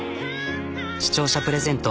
視聴者プレゼント